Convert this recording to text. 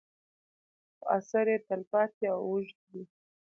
خو اثر یې تل پاتې او اوږد وي.